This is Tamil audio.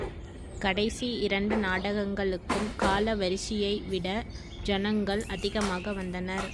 கடைசி இரண்டு நாடகங்களுக்கும் காலவரிஷி யைவிட ஜனங்கள் அதிகமாக வந்தனர்.